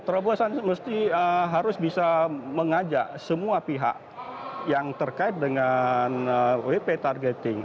terobosan mesti harus bisa mengajak semua pihak yang terkait dengan wp targeting